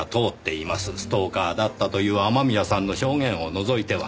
ストーカーだったという雨宮さんの証言を除いては。